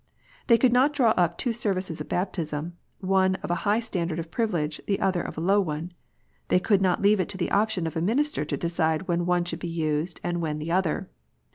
They I could not draw up two Services of baptism, one of a high standard of privilege, the other of a low one. They could not j leave it to the option of a minister to decide when one should (be used, and when the other.